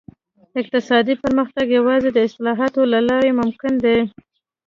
اقتصادي پرمختګ یوازې د اصلاحاتو له لارې ممکن دی.